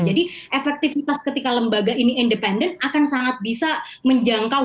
jadi efektifitas ketika lembaga ini independen akan sangat bisa menjangkau